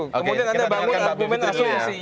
kemudian anda bangun argumen asumsi